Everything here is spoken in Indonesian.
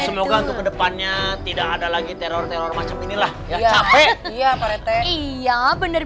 semoga untuk kedepannya tidak ada lagi teror teror macam inilah ya capek iya pak rete iya bener